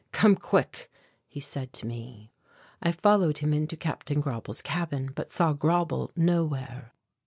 "Come quick," he said to me. I followed him into Capt. Grauble's cabin, but saw Grauble nowhere.